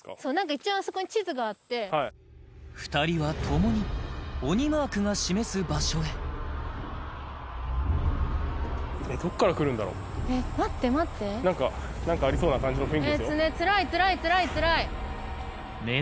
一応あそこに地図があって２人は共に鬼マークが示す場所へえっ待って待って何か何かありそうな感じの雰囲気ですねえ